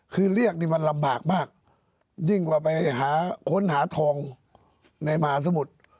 คือเรียกนี่มันลำบากมากยิ่งกว่าไปหาค้นหาทองในมหาสมุทร